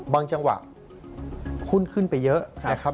จังหวะหุ้นขึ้นไปเยอะนะครับ